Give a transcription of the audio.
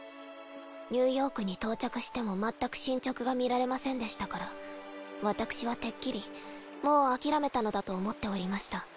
ニューヨークに到着してもまったく進捗が見られませんでしたから私はてっきりもう諦めたのだと思っておりました。